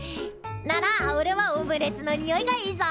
ならおれはオムレツのにおいがいいぞ。